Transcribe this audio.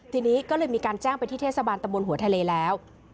ทีนี้ก็เลยมีการแจ้งไปที่เทศบาลตะบนหัวทะเลแล้ว